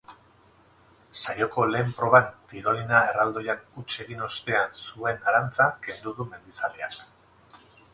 Saioko lehen proban tirolina erraldoian huts egin ostean zuen arantza kendu du mendizaleak.